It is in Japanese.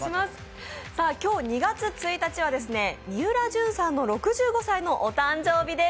今日２月１日はみうらじゅんさんの６５歳のお誕生日です。